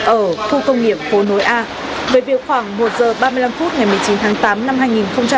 ở khu công nghiệp phố nối a về việc khoảng một giờ ba mươi năm phút ngày một mươi chín tháng tám năm hai nghìn hai mươi ba